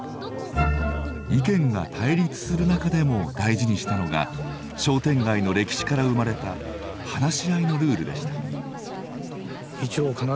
意見が対立する中でも大事にしたのが商店街の歴史から生まれた話し合いのルールでした。